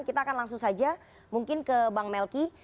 kita akan langsung saja mungkin ke bang melki